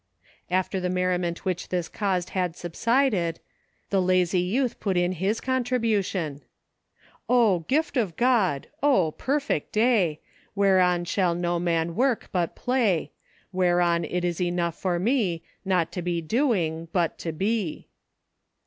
After the merriment which this caused had sub sided, the lazy youth put in his contribution : 0,*gift of God ! O, perfect day ! Whereon shall no man work, but play; Whereon it is enough for me. Not to be doing, but to be.